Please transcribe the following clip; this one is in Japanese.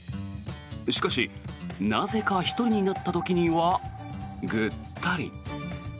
しかし、なぜか１人になった時にはぐったり。